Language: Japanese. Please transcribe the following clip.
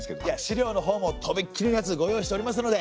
資料のほうもとびっきりのやつご用意しておりますので！